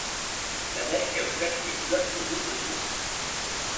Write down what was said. La nef est refaite et couverte de voûtes d'ogives.